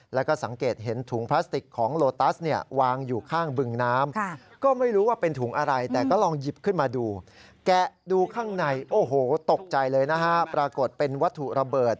แล้วก็สังเกตเห็นถุงพลาสติกของโลตัส